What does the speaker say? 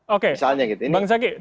oke bang zaki